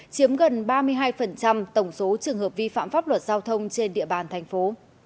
chiếm gần ba mươi hai tổng số trường hợp vi phạm pháp luật giao thông trên địa bàn thành phố